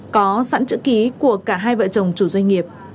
có sẵn chữ ký của cả hai vợ chồng chủ doanh nghiệp